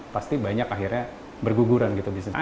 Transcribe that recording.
pasti banyak akhirnya berguguran gitu bisnisnya